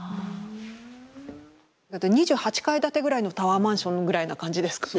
２８階建てぐらいのタワーマンションぐらいな感じですかね